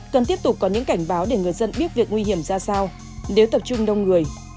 cần tiếp tục có những cảnh báo để người dân biết việc nguy hiểm ra sao nếu tập trung đông người